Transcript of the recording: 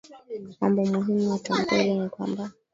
Mambo muhimu ya tamko hili ni kwamba